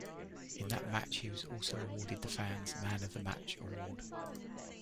In that match, he was also awarded the fans' Man of the Match award.